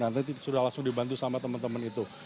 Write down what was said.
nanti sudah langsung dibantu sama teman teman itu